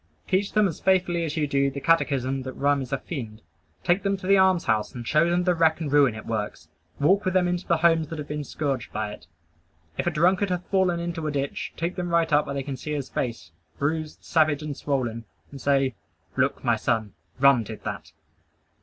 Teach them as faithfully as you do the catechism, that rum is a fiend. Take them to the alms house and show them the wreck and ruin it works. Walk with them into the homes that have been scourged by it. If a drunkard hath fallen into a ditch, take them right up where they can see his face, bruised, savage and swollen, and say, "Look, my son: Rum did that!"